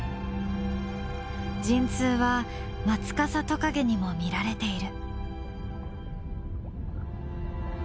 陣痛はマツカサトカゲにも見られている。